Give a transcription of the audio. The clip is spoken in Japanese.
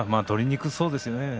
取りにくそうですよね